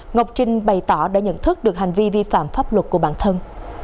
ngọc trinh bày tỏ đã nhận thức được hành vi vi phạm pháp luật của bản thân